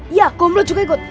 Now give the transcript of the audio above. iya kau boleh juga ikut